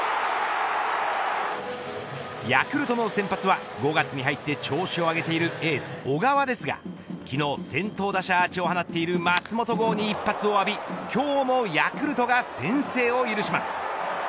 ヤクルトの先発は５月に入って調子を上げているエース、小川ですが昨日先頭打者アーチを放っている松本剛に一発を浴び今日もヤクルトが先制を許します。